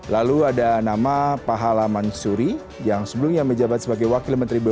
lalu ada nama pahala mansuri yang sebelumnya menjabat sebagai wakil menteri bumn satu